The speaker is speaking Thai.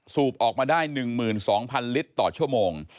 สูบออกมาได้๑๒๐๐ลิตรต่อชั่วโมง